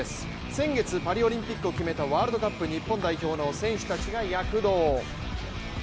先月パリオリンピックを決めたワールドカップ日本代表の選手たちが躍動。